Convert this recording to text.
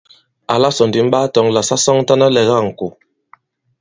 Àla sɔ̀ ndì m ɓaa tɔ̄ŋ àlà sa sɔŋtana ilɛ̀ga ìŋkò.